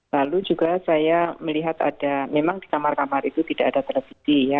lalu juga saya melihat ada memang di kamar kamar itu tidak ada televisi ya